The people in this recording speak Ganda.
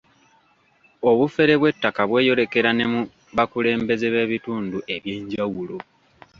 Obufere bw'ettaka bweyolekera ne mu bakulembeze b'ebitundu eby'enjawulo.